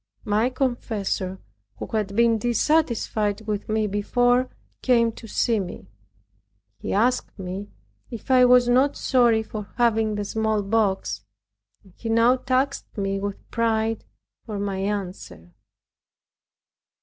My confessor, who had been dissatisfied with me before, came to see me. He asked me if I was not sorry for having the smallpox; and he now taxed me with pride for my answer.